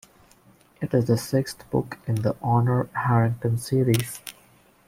It is the sixth book in the Honor Harrington series.